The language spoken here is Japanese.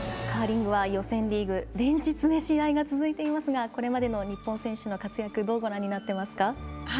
カーリングは予選リーグ連日、試合が続いていますがこれまでの日本選手の活躍、どうご覧になってますか？